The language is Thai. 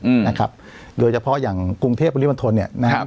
อืมนะครับโดยเฉพาะอย่างกรุงเทพปริมณฑลเนี่ยนะครับ